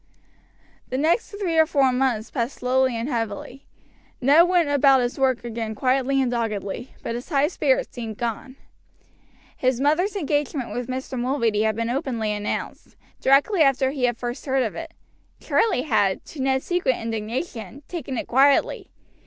The next three or four months passed slowly and heavily. Ned went about his work again quietly and doggedly; but his high spirits seemed gone. His mother's engagement with Mr. Mulready had been openly announced, directly after he had first heard of it. Charlie had, to Ned's secret indignation, taken it quietly.